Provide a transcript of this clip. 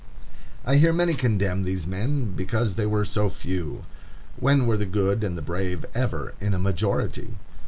I hear many condemn these men because they were so few. When were the good and the brave ever in a majority?